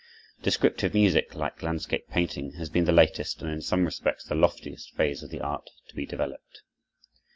Descriptive music, like landscape painting, has been the latest, and in some respects the loftiest, phase of the art to be developed.